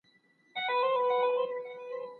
شاعر، لیکوال او ژورنالیست چې د پښتو معاصر